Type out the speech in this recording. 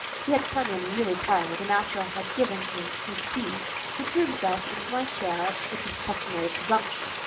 He had come in really tired, and after I had given him his tea, he threw himself into my chair with his customary presumption.